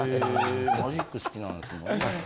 マジック好きなんですもんね。